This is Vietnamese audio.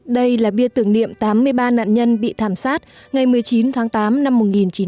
đây là bia tưởng niệm tám mươi ba nạn nhân bị thảm sát ngày một mươi chín tháng tám năm một nghìn chín trăm bảy mươi